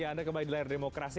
ya anda kembali di layar demokrasi